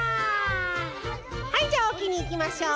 はいじゃあおきにいきましょう。